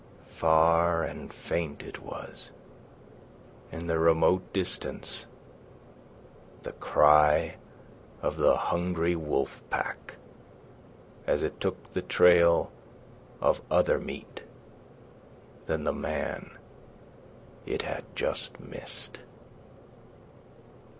Far and faint it was, in the remote distance, the cry of the hungry wolf pack as it took the trail of other meat than the man it had just missed.